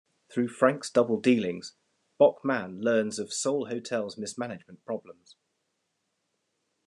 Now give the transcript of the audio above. Through Frank's double dealings, Bok-man learns of Seoul Hotel's mismanagement problems.